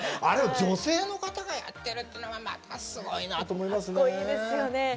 あれを女性の方がやってるっていうのがまたすごいなと思いますね。